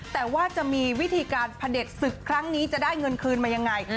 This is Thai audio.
แต่ว่าจะมีวิธีการพระเด็จศึกครั้งนี้จะได้เงินคืนมายังไง